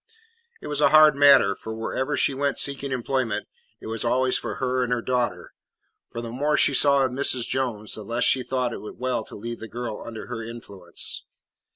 It was a hard matter, for wherever she went seeking employment, it was always for her and her daughter, for the more she saw of Mrs. Jones, the less she thought it well to leave the girl under her influence.